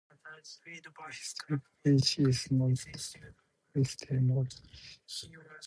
This historic bridge is now threatened with demolition.